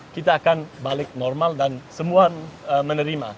kita akan balik normal dan semua menerima